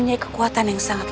yang aku jadikan model